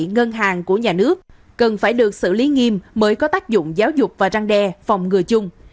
ngân hàng của nhà nước cần phải được xử lý nghiêm mới có tác dụng giáo dục và răng đe phòng ngừa chung